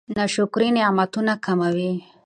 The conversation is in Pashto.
ناشکري نعمتونه کموي.